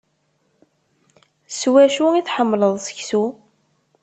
S wacu i tḥemmleḍ seksu?